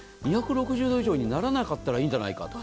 ２６０度以上にならなかったらいいんじゃないかと。